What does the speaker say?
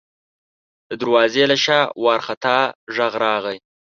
د دروازې له شا وارخطا غږ راغی: